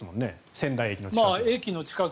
仙台駅の近く。